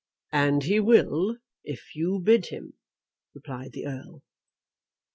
"And he will if you bid him," replied the Earl.